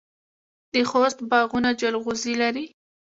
د خوست باغونه جلغوزي لري.